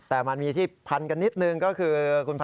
แต่มันมีที่พันธุ์กันนิดหนึ่งก็คือ